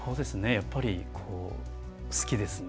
やっぱり好きですね。